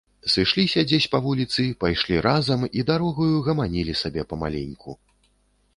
Сышліся дзесь па вуліцы, пайшлі разам і дарогаю гаманілі сабе памаленьку.